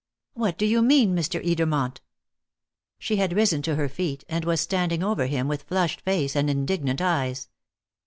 "What do you mean, Mr. Edermont?" She had risen to her feet, and was standing over him with flushed face and indignant eyes.